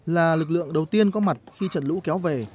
là lực lượng đầu tiên có mặt khi trận lũ kéo về